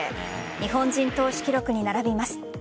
日本人投手記録に並びます。